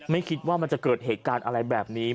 ไม่คิดว่ามันจะเกิดเหตุการณ์อะไรแบบนี้